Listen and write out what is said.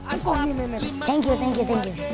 aduh kongi matt thank you thank you thank you